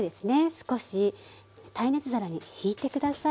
少し耐熱熱皿にひいて下さい。